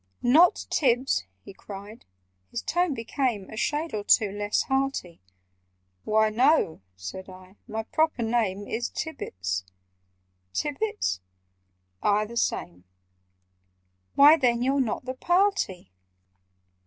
"Not Tibbs!" he cried—his tone became A shade or two less hearty— "Why, no," said I. "My proper name Is Tibbets—" "Tibbets?" "Aye, the same." "Why, then YOU'RE NOT THE PARTY!"